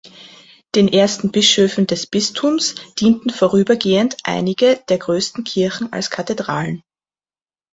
Den ersten Bischöfen des Bistums dienten vorübergehend einige der größten Kirchen als Kathedralen.